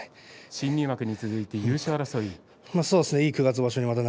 新入幕に続いて優勝争い。